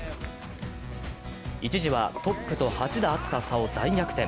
一時はトップと８打あった差を大逆転。